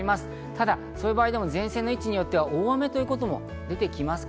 ただ、前線の位置によっては大雨ということも出てきます。